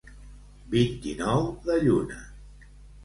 Vint-i-nou de lluna.